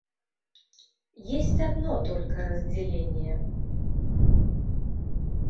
Есть одно только разделение.